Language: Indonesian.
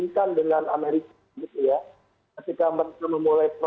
masyarakat harus memilih